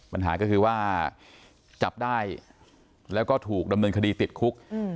ปัญหาก็คือว่าจับได้แล้วก็ถูกดำเนินคดีติดคุก